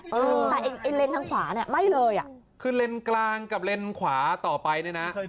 แต่อายุเท่าไหร่ลินทางขาเนี่ยไม่เลยอ่ะคือเลนกลางกับเลนขวาต่อไปเนี่ยน่า